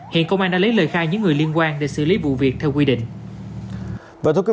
hiện công an đã lấy lời khai những người liên quan để xử lý vụ việc theo quy định